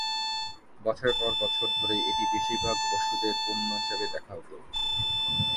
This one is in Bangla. বছরের পর বছর ধরে এটি বেশিরভাগ ওষুধের পণ্য হিসাবে দেখা হত।